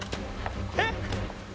えっ？